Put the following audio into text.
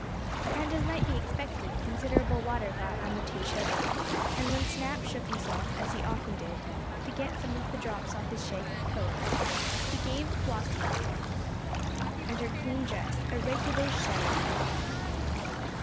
And, as might be expected, considerable water got on the two children, and when Snap shook himself, as he often did, to get some of the drops off his shaggy coat, he gave Flossie and her clean dress a regular shower bath.